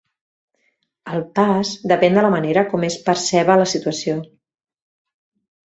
El pas depèn de la manera com es perceba la situació.